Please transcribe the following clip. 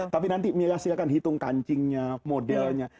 tapi nanti mila silahkan hitung kancingnya modelnya